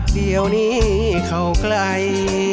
เดี๋ยวนี้เขาไกล